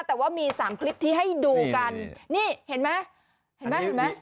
แต่ว่ามี๓คลิปที่ให้ดูกันนี่เห็นไหม